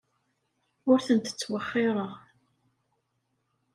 Ur tent-ttwexxireɣ.